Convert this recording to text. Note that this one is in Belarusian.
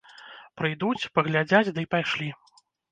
Прыйдуць, паглядзяць дый пайшлі.